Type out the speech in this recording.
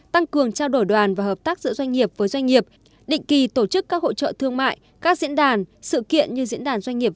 tăng cường trao đổi đoàn và hợp tác giữa doanh nghiệp với doanh nghiệp